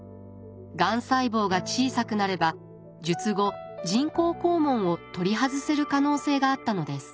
がん細胞が小さくなれば術後人工肛門を取り外せる可能性があったのです。